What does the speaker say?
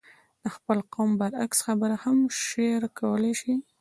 د خپل قوم برعکس خبره هم شعر کولای شي.